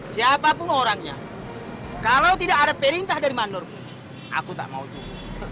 siapapun orangnya kalau tidak ada perintah dari manur aku tak mau itu